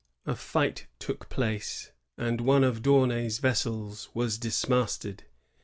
A fight took place, and one of D'Aunay's vessels was dismasted.